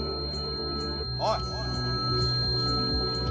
おい！